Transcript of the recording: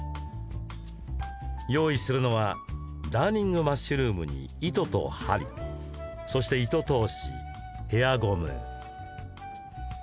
用意するのはダーニングマッシュルームに糸と針そして糸通し、ヘアゴム。